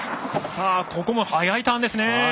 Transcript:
さあここも速いターンですね。